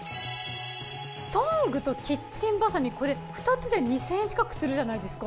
トングとキッチンバサミこれ２つで２，０００円近くするじゃないですか。